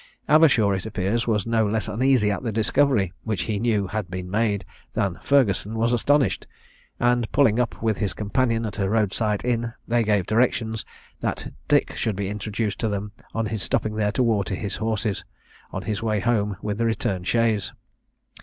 Avershaw, it appears, was no less uneasy at the discovery, which he knew had been made, than Ferguson was astonished; and, pulling up with his companion at a roadside inn, they gave directions, that Dick should be introduced to them on his stopping there to water his horses, on his way home with the return chaise.